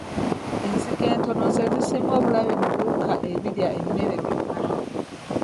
Enzige ento ze zisinga obulabe mu biwuka ebirya ebirime byonna.